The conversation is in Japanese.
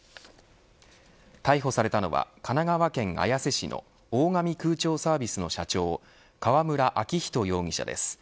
逮捕されたのは神奈川県綾瀬市の大上空調サービスの社長川村秋人容疑者です。